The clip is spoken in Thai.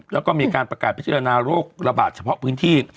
แล้วก็มีการประกาศพิจารณาโรคระบาดเฉพาะพื้นที่